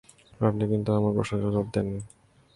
আপনি কিন্তু আমার প্রশ্নের জবাব দেন নি।